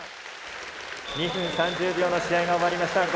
２分３０秒の試合が終わりました。